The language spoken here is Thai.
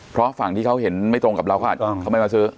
เพราะฝั่งที่เขาเห็นไม่ตรงกับเราก็อาจจะเขาไม่มาซื้อ